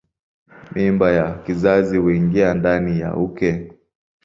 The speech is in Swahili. Mimba ya kizazi huingia ndani ya uke.